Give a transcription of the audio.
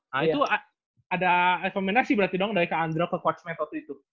nah itu ada rekomendasi berarti dong dari kak andro ke coach mat waktu itu